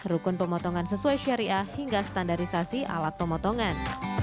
rukun pemotongan sesuai syariah hingga standarisasi alat pemotongan